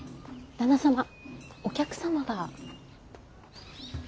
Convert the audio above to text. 旦那様お客様が。